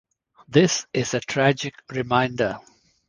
This is a tragic reminder.